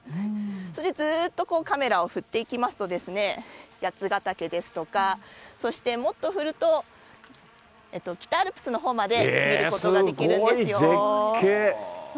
それでずーっとカメラを振っていきますとですね、八ヶ岳ですとか、そしてもっと振ると、北アルプスのほうまで見ることができるんですよ。